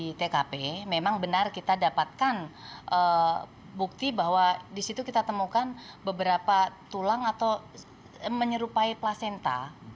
di tkp memang benar kita dapatkan bukti bahwa di situ kita temukan beberapa tulang atau menyerupai placenta